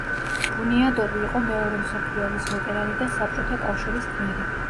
ბუნიადოვი იყო მეორე მსოფლიო ომის ვეტერანი და საბჭოთა კავშირის გმირი.